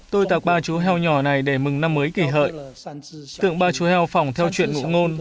tôi tạc ba chú heo nhỏ này để mừng năm mới kỳ hợi tượng ba chú heo phỏng theo chuyện ngụ ngôn